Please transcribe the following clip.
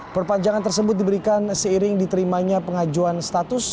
perpanjangan tersebut diberikan seiring diterimanya pengajuan status